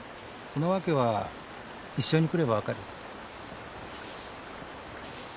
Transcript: そのわけは一緒に来ればわかる。